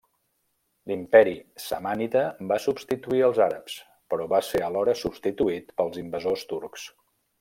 L'Imperi samànida va substituir els àrabs, però va ser alhora substituït pels invasors turcs.